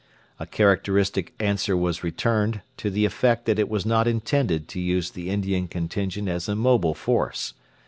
A characteristic answer was returned, to the effect that it was not intended to use the Indian contingent as a mobile force.